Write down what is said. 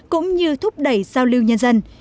cũng như thúc đẩy giao lưu nhân dân